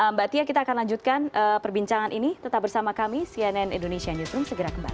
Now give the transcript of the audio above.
mbak tia kita akan lanjutkan perbincangan ini tetap bersama kami cnn indonesia newsroom segera kembali